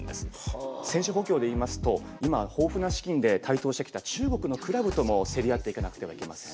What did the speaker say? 選手補強で言いますと今は豊富な資金で台頭してきた中国のクラブとも競り合っていかなくてはいけません。